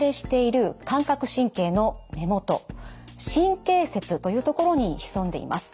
神経の根元神経節というところに潜んでいます。